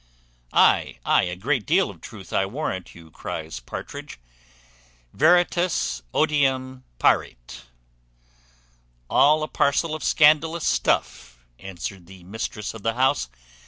"Ay, ay, a great deal of truth, I warrant you," cries Partridge; "Veritas odium parit" "All a parcel of scandalous stuff," answered the mistress of the house.